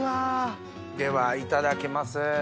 ではいただきます。